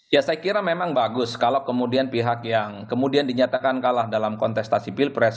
ya saya kira memang bagus kalau kemudian pihak yang kemudian dinyatakan kalah dalam kontestasi pilpres